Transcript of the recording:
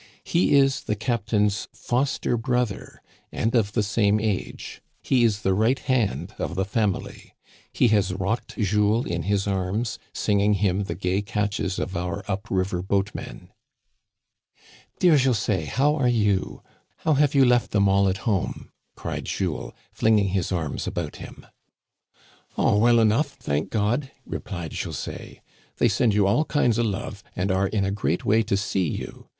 He is the captain's foster brother and of the same age. He is the right hand of the family. He has rocked Jules in hi? Digitized by VjOOQIC l6 THE CANADIANS OF OLD. arms, singing him the gay catches of our up river boat men. " Dear José, how are you ? How have you left them all at home ?" cried Jules, flinging his arms about him. " All well enough, thank God," replied José ;" they send you all kinds o' love, and are in a great way to see you.